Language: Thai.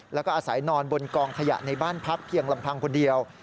แล้วก็อาศัยนอนบนกองขยะในบ้านพักเพียงลำพังคนเดียว